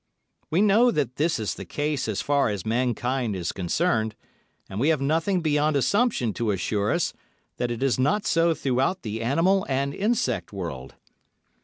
We know that this is the case as far as mankind is concerned, and we have nothing beyond assumption to assure us that it is not so throughout the animal and insect world.